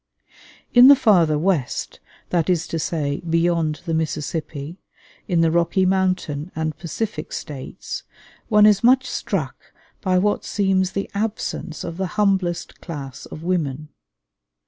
In the farther West, that is to say, beyond the Mississippi, in the Rocky Mountain and Pacific States, one is much struck by what seems the absence of the humblest class of women.